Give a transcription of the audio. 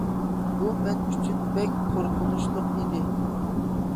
بۇ مەن ئۈچۈن بەك قورقۇنچلۇق ئىدى.